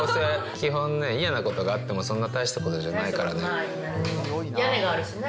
基本ね、嫌なことがあっても、そんな大したこと屋根があるしね。